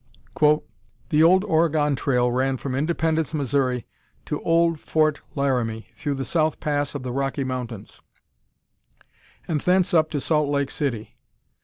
"The old Oregon trail ran from Independence, Missouri, to old Fort Laramie, through the South Pass of the Rocky Mountains, and thence up to Salt Lake City.